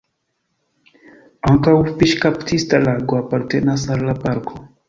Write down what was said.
Ankaŭ fiŝkaptista lago apartenas al la parko.